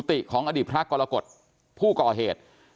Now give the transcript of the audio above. กุฏิของอดีตพระกอลลากฏผู้ก่อเหตุ